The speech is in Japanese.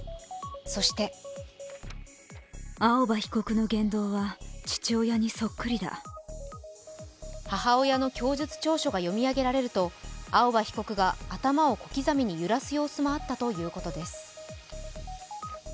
そして母親の供述調書が読み上げられると青葉被告が頭を小刻みに揺らす様子もあったということです。